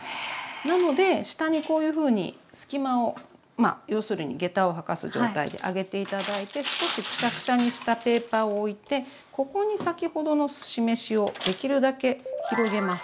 なので下にこういうふうに隙間をまあ要するにげたを履かす状態で上げて頂いて少しクシャクシャにしたペーパーを置いてここに先ほどのすし飯をできるだけ広げます。